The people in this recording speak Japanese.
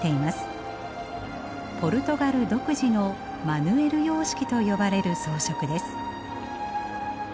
ポルトガル独自のマヌエル様式と呼ばれる装飾です。